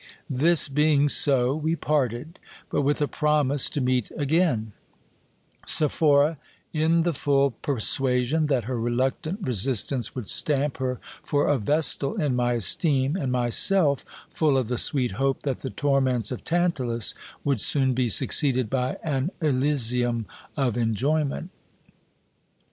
This being so, we parted, but with a promise to meet again : Sephora in the full persuasion that her reluctant resistance would stamp her for a vestal in my esteem, and myself full of the sweet hope that the torments of Tantalus would soon be succeeded by an elysium of enjoyment.